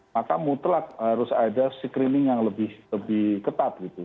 maka mutlak harus ada screening yang lebih ketat gitu